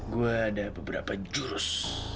gue ada beberapa jurus